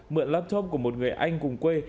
mượn laptop của một người anh cùng quê